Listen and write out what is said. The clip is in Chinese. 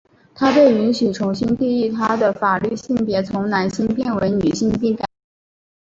她被允许重新定义她的法律性别从男性变为女性并改名。